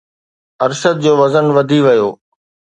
ارشد جو وزن وڌي ويو